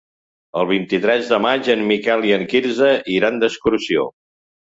El vint-i-tres de maig en Miquel i en Quirze iran d'excursió.